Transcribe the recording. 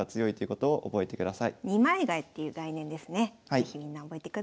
是非みんな覚えてください。